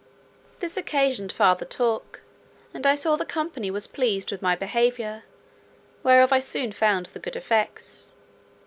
This occasioned farther talk; and I saw the company was pleased with my behaviour, whereof I soon found the good effects.